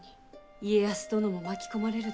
家康殿も巻き込まれるであろう。